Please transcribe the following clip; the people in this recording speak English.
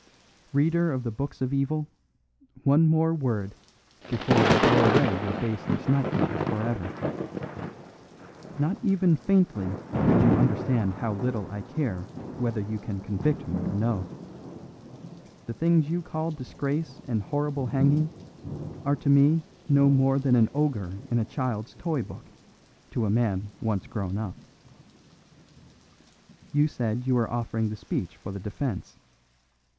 "Reader of the books of evil, one more word before I blow away your baseless nightmares for ever. Not even faintly could you understand how little I care whether you can convict me or no. The things you call disgrace and horrible hanging are to me no more than an ogre in a child's toy book to a man once grown up. You said you were offering the speech for the defence.